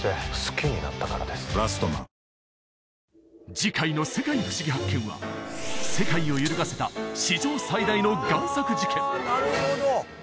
次回の「世界ふしぎ発見！」は世界を揺るがせた史上最大の贋作事件なるほど！